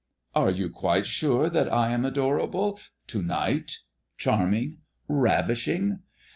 "Are you quite sure that I am adorable to night, charming, ravishing?"